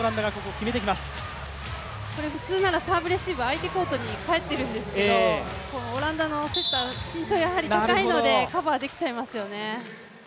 普通ならサーブレシーブ相手コートに返ってるんですけどオランダのセッター、身長がやはり高いのでカバーできちゃいますよね。